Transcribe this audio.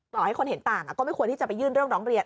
ต่อให้คนเห็นต่างก็ไม่ควรที่จะไปยื่นเรื่องร้องเรียน